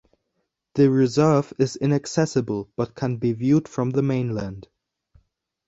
The reserve is inaccessible but can be viewed from the mainland.